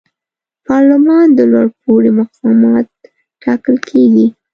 پارلمان او لوړپوړي مقامات ټاکل کیږي.